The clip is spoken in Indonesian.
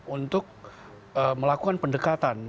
untuk melakukan pendekatan